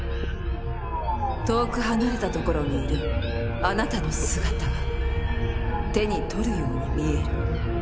遠く離れた所にいるあなたの姿が手に取るように見える。